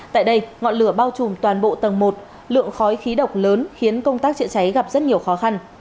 tại đây ngọn lửa bao trùm toàn bộ tầng một lượng khói khí độc lớn khiến công tác chữa cháy gặp rất nhiều khó khăn